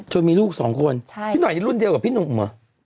มีลูกสองคนพี่หน่อยนี่รุ่นเดียวกับพี่หนุ่มเหรอ